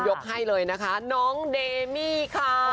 ให้เลยนะคะน้องเดมี่ค่ะ